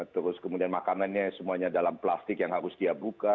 terus kemudian makanannya semuanya dalam plastik yang harus dia buka